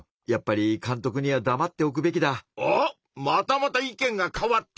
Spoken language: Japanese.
またまた意見が変わった！